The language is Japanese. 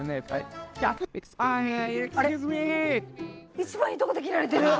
一番いいとこで切られてる！